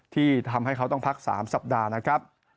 ที่ทำให้เขาต้องพัก๓สัปดาห์นะครับ